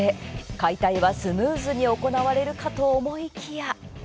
解体はスムーズに行われるかと思いきや。